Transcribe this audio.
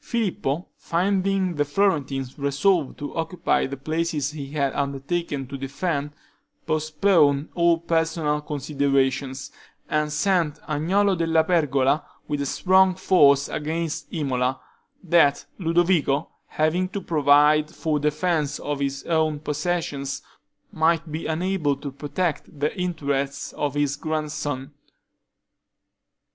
Filippo, finding the Florentines resolved to occupy the places he had undertaken to defend, postponed all personal considerations, and sent Agnolo della Pergola with a strong force against Imola, that Ludovico, having to provide for the defense of his own possessions, might be unable to protect the interests of his grandson.